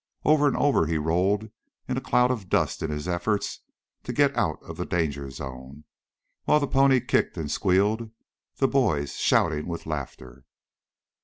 Over and over he rolled in a cloud of dust in his efforts to get out of the danger zone, while the pony kicked and squealed, the boys shouting with laughter.